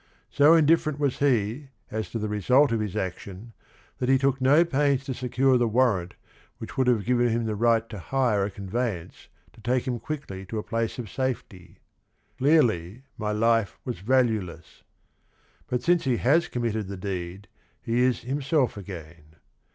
So indifferent was he as to the result of his action that he took no pains to secure the warrant which would have given him the right to hire a con veyance to take him quickly to a place of safety. "Clearly my life was valueless." But since he has committed the deed he is himself again.